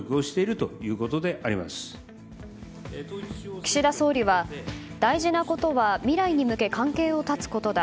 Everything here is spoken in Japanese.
岸田総理は大事なことは未来に向け関係を断つことだ。